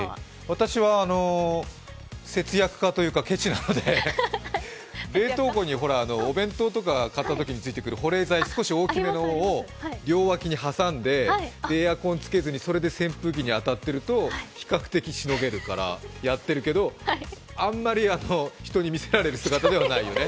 私は節約家というか、ケチなので冷凍庫にお弁当とかかったときについてくる少し大きめの保冷剤、両脇に挟んで、エアコンつけずにそれで扇風機に当たっていると、比較的しのげるからやってるけど、あんまり人に見せられる姿ではないよね。